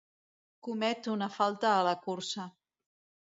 Comet una falta a la cursa.